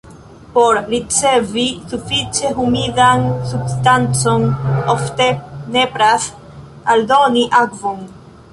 Por ricevi sufiĉe humidan substancon ofte nepras aldoni akvon.